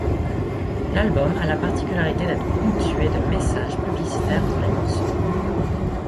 L'album a la particularité d'être ponctué de passages publicitaires entre les morceaux.